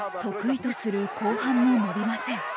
得意とする後半も伸びません。